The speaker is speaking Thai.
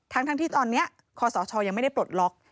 ทั้งที่ตอนนี้คศยังไม่ได้ปลดล็อก